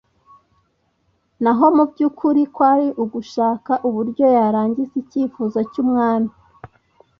naho mu by'ukuri kwari ugushaka uburyo yarangiza icyifuzo cy'umwami